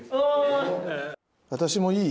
私もいい？